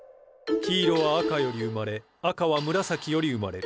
黄色は赤より生まれ赤は紫より生まれる。